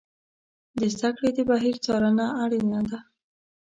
د زده کړې د بهیر څارنه اړینه ده.